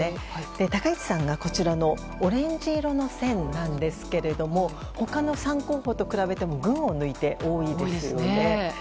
高市さんがオレンジ色の線なんですが他の３候補と比べても群を抜いて多いですよね。